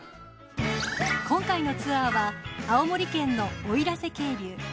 今回のツアーは青森県の奥入瀬渓流